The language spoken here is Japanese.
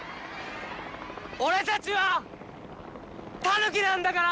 俺たちはたぬきなんだから！